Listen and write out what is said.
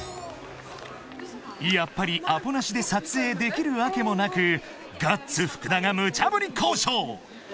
［やっぱりアポなしで撮影できるわけもなくガッツ福田がムチャぶり交渉］